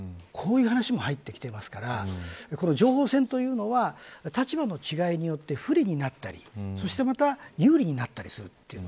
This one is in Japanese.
こういう話も入ってきてますからこの情報戦というのは立場の違いによって不利になったりそしてまた有利になったりする。